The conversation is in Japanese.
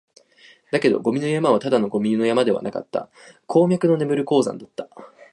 だけど、ゴミの山はただのゴミ山ではなかった、鉱脈の眠る鉱山だった